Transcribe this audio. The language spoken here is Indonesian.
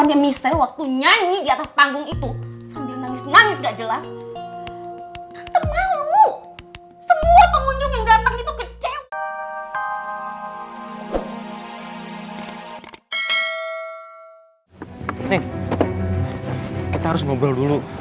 nek kita harus ngobrol dulu